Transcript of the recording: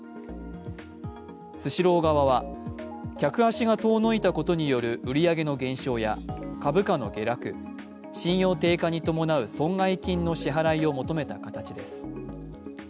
スシロー側は客足が遠のいたことによる売り上げの減少や株価の下落、信用低下に伴う損害金の支払いを求めた形です。